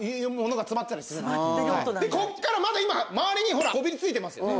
こっからまだ今周りにこびり付いてますよね。